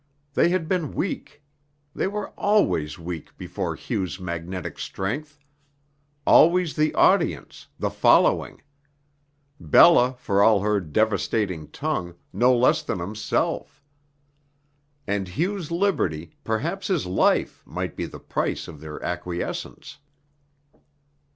They had been weak; they were always weak before Hugh's magnetic strength always the audience, the following; Bella, for all her devastating tongue, no less than himself. And Hugh's liberty, perhaps his life, might be the price of their acquiescence.